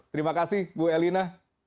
terima kasih bu elina